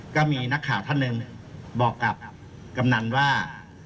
ก็มีนักข่าวท่านหนึ่งบอกกับกำนันว่า